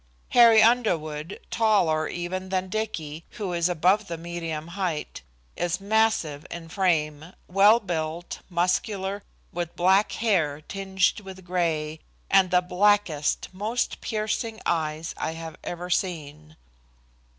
Harry Underwood, taller even than Dicky, who is above the medium height, is massive in frame, well built, muscular, with black hair tinged with gray, and the blackest, most piercing eyes I have ever seen.